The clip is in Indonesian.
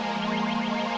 tuh lo udah jualan gue